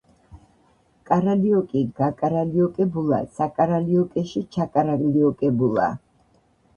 კარალიოკი გაკარალიოკებულა, საკარალიოკეში ჩაკარალიოკებულა